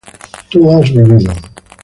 tú has vivido